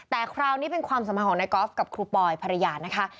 แต่คราวนี้เป็นความสัมพันธ์ของนายกอล์ฟกับครูปอยภรรยานะคะ